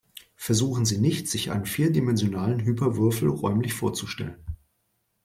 Versuchen Sie nicht, sich einen vierdimensionalen Hyperwürfel räumlich vorzustellen.